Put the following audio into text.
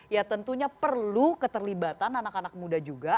ya tentunya perlu keterlibatan anak anak muda juga